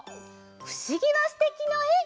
「ふしぎはすてき」のえ。